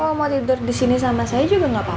kamu kalau mau tidur disini sama saya juga gapapa kok